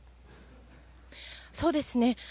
そうですね。